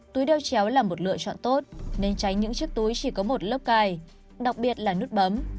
túi đeo chéo là một lựa chọn tốt nên tránh những chiếc túi chỉ có một lớp cài đặc biệt là nút bấm